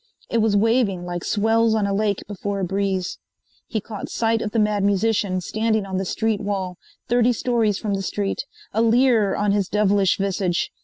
It was waving like swells on a lake before a breeze. He caught sight of the Mad Musician standing on the street wall, thirty stories from the street, a leer on his devilish visage.